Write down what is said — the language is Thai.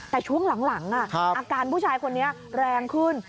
แต่ช่วงหลังอาการผู้ชายคนนี้แรงขึ้น